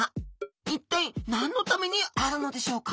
一体何のためにあるのでしょうか？